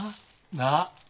なあ？